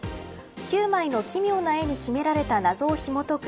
９枚の奇妙な絵に秘められた謎をひもとく